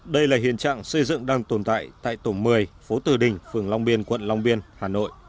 đây là hiện trạng xây dựng đang tồn tại tại tổng một mươi phố từ đình phường long biên quận long biên hà nội